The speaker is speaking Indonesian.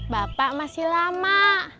bapak masih lama